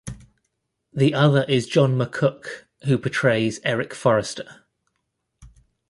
The other is John McCook, who portrays Eric Forrester.